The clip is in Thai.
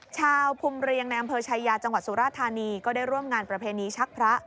ชาวภูมิเรียงในอำเภอชายาจังหวัดสุราธานีก็ได้ร่วมงานประเพณีชักพระ